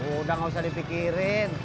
udah gak usah dipikirin